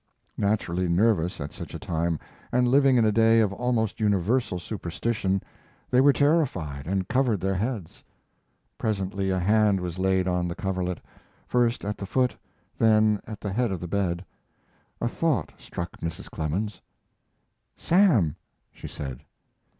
Naturally nervous at such a time, and living in a day of almost universal superstition, they were terrified and covered their heads. Presently a hand was laid on the coverlet, first at the foot, then at the head of the bed. A thought struck Mrs. Clemens: "Sam!" she said.